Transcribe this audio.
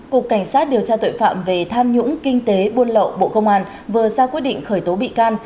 cục cảnh sát điều tra tội phạm về tham nhũng kinh tế buôn lậu bộ công an vừa ra quyết định khởi tố bị can